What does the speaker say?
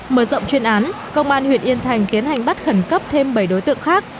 mở rộng chuyên án công an huyện yên thành tiến hành bắt khẩn cấp thêm bảy đối tượng khác